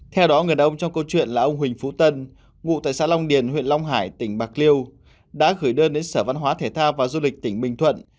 theo đó người đàn ông trong câu chuyện là ông huỳnh phú tân ngụ tại xã long điền huyện long hải tỉnh bạc liêu đã gửi đơn đến sở văn hóa thể thao và du lịch tỉnh bình thuận